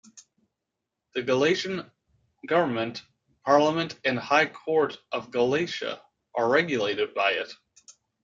The Galician Government, Parliament and High Court of Galicia are regulated by it.